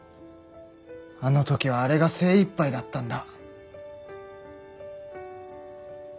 あの時はあれが精いっぱいだったんだ。